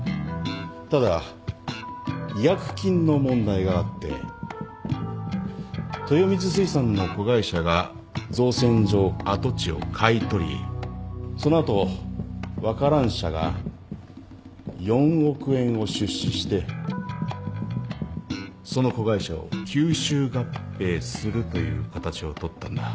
ただ違約金の問題があって豊光水産の子会社が造船所跡地を買い取りその後ワカラン社が４億円を出資してその子会社を吸収合併するという形を取ったんだ。